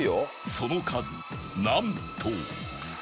その数なんと